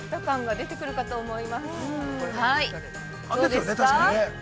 どうですか。